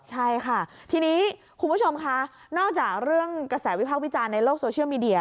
ใช่ค่ะทีนี้คุณผู้ชมค่ะนอกจากเรื่องกระแสวิพากษ์วิจารณ์ในโลกโซเชียลมีเดีย